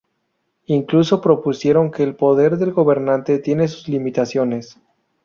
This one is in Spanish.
Incluso propusieron que el poder del gobernante tiene sus limitaciones.